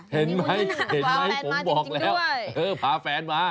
เห็นไหมผมบอกแล้วเออพาแฟนมา